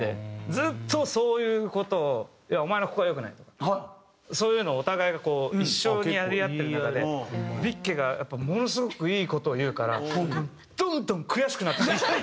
ずっとそういう事を要はお前のここが良くないとかそういうのをお互いがこう一緒にやり合ってる中でビッケがやっぱものすごくいい事を言うからどんどん悔しくなってきちゃって。